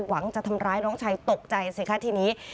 หวังจะทำร้ายน้องชายตกใจสิคะทีนี้